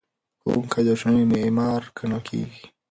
ښوونکی د ټولنې معمار ګڼل کېږي.